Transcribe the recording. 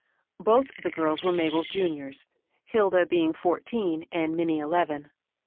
Both the girls were Ma bel's juniors, Hilda being fourteen, and Minnie eleven.